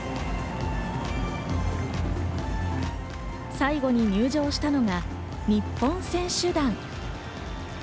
最後に入場したのが、日本選手団。